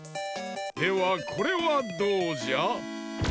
ではこれはどうじゃ？